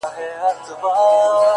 o نن شپه بيا زه پيغور ته ناسته يمه،